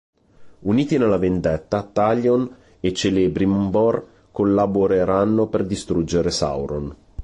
Uniti nella vendetta, Talion e Celebrimbor collaboreranno per distruggere Sauron.